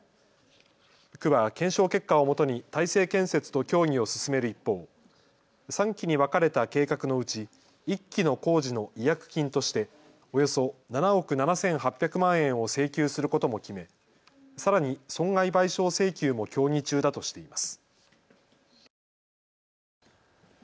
区は検証結果をもとに大成建設と協議を進める一方、３期に分かれた計画のうち１期の工事の違約金としておよそ７億７８００万円を請求することも決め、さらに損害賠償請求も協議中だとしています。